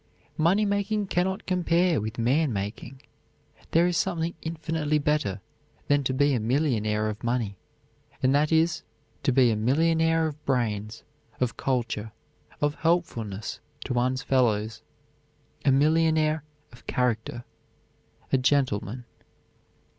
Money making can not compare with man making. There is something infinitely better than to be a millionaire of money, and that is to be a millionaire of brains, of culture, of helpfulness to one's fellows, a millionaire of character a gentleman.